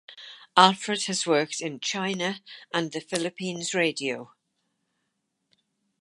Alfred has worked in China and the Philippines Radio.